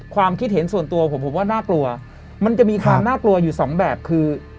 ความคิดเห็นส่วนตัวผมผมว่าน่ากลัวมันจะมีความน่ากลัวอยู่สองแบบคือ